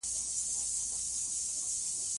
سمندر نه شتون د افغانستان د طبیعي زیرمو برخه ده.